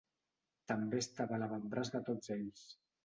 També estava a l'avantbraç de tots ells.